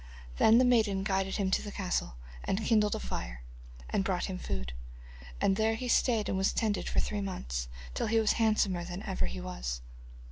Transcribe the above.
Then the maiden guided him to the castle, and kindled a fire, and brought him food. And there he stayed and was tended for three months, till he was handsomer than ever he was.